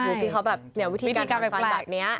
ที่เขาแบบวิธีการฝันฟันแบบนี้